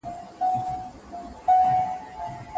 څېړونکی باید خپل استدلال پخپله ولیکي.